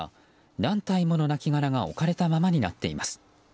何体もの亡きがらが置かれたままになっています。